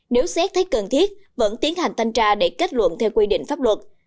nếu xét thấy cần thiết vẫn tiến hành thanh tra để kết luận theo quy định pháp luật